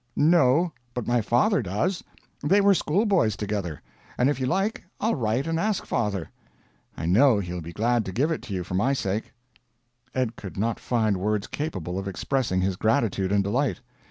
"No; but my father does. They were schoolboys together. And if you like, I'll write and ask father. I know he'll be glad to give it to you for my sake." Ed could not find words capable of expressing his gratitude and delight.